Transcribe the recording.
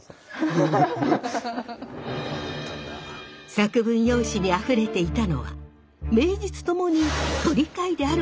作文用紙にあふれていたのは名実ともに鳥飼であることへの憤り。